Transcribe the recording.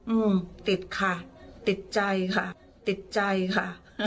อืมติดค่ะติดใจค่ะติดใจค่ะ